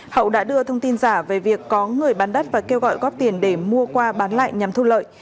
hậu đã đưa thông tin giả về việc có người bán đất và kêu gọi góp tiền để mua qua bán lại nhằm thu lợi